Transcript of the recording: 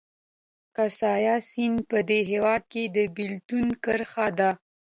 کاسای سیند په دې هېواد کې د بېلتون کرښه ده